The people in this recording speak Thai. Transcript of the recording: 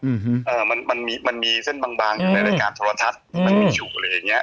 อือฮือเอ่อมันมีมันมีเส้นบางในรายการทรวจทัศน์มันมีฉุกอะไรอย่างเงี้ย